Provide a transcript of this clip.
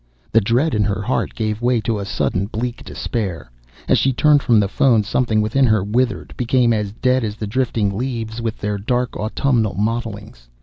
The dread in her heart gave way to a sudden, bleak despair. As she turned from the phone something within her withered, became as dead as the drifting leaves with their dark autumnal mottlings.